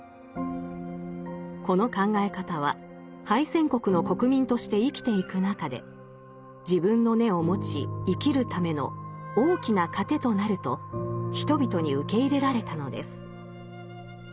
この考え方は敗戦国の国民として生きていく中で自分の根を持ち生きるための大きな糧となると人々に受け入れられたのです。